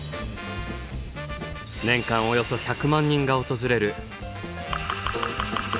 年間およそ１００万人が訪れる。